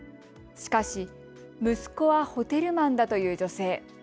しかし、息子はホテルマンだという女性。